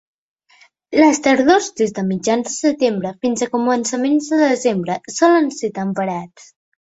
Les tardors, des de mitjans de setembre fins a començaments de desembre, solen ser temperats.